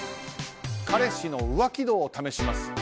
彼氏の浮気度を試します。